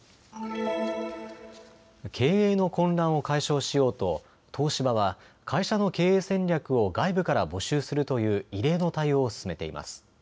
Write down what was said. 経営の混乱を解消しようと東芝は会社の経営戦略を外部から募集するという異例の対応を進めています。